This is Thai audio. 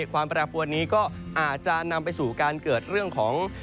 ความแปรปวนนี้ก็อาจจะนำไปสู่การเกิดเรื่องของ